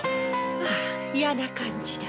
ああ嫌な感じだ。